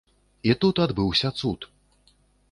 І тут адбыўся цуд.